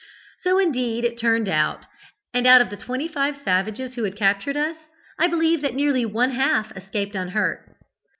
So, indeed, it turned out, and out of the twenty five savages who had captured us, I believe that nearly one half escaped unhurt.